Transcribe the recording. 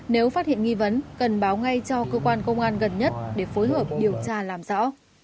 nếu phát hiện nghi vấn cần báo ngay cho cơ quan công an gần nhất để phối hợp điều tra làm rõ